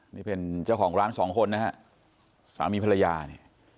นี่เป็นเจ้าของร้านสองคนนะฮะสามีภรรยาเนี่ย